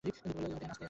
Dan, আস্তে!